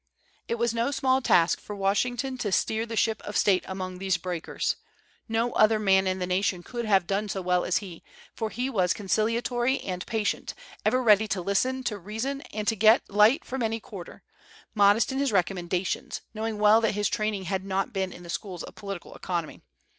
It was no small task for Washington to steer the ship of state among these breakers. No other man in the nation could have done so well as he, for he was conciliatory and patient, ever ready to listen to reason and get light from any quarter, modest in his recommendations, knowing well that his training had not been in the schools of political economy.